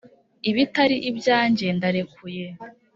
Ibitari ibyanjye ndarekuye